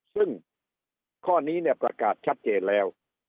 ซึ่งข้อนี้เนี่ยประกาศชัดเจนแล้ว